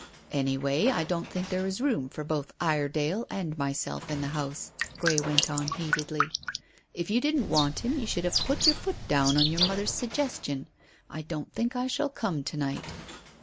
"Anyway I don't think there is room for both Iredale and myself in the house," Grey went on heatedly. "If you didn't want him you should have put your foot down on your mother's suggestion. I don't think I shall come to night."